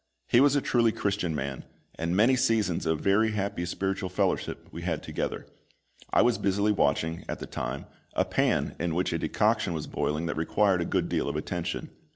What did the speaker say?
He was a truly Christian man, and many seasons of very happy spiritual fellowship we had together. I was busily watching, at the time, a pan in which a decoction was boiling that required a good deal of attention.